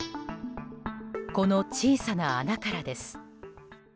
この小さな穴からです。